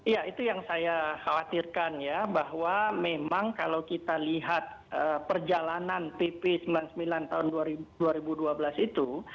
ya itu yang saya khawatirkan ya bahwa memang kalau kita lihat perjalanan pp sembilan puluh sembilan tahun dua ribu dua belas itu